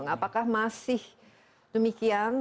apakah masih demikian